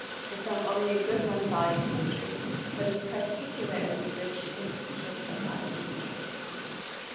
is not only a good one volume history, but is particularly rich in pictures of value and interest.